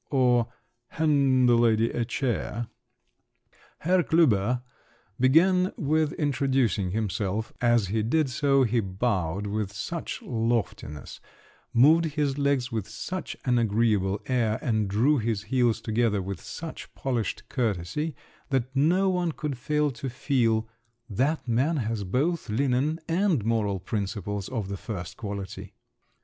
or, "Hand the lady a chair!" Herr Klüber began with introducing himself; as he did so, he bowed with such loftiness, moved his legs with such an agreeable air, and drew his heels together with such polished courtesy that no one could fail to feel, "that man has both linen and moral principles of the first quality!"